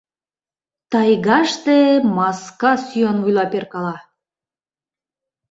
Тайгаште маска сӱанвуйла перкала.